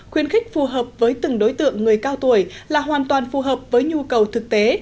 khuyến khích phù hợp với từng đối tượng người cao tuổi là hoàn toàn phù hợp với nhu cầu thực tế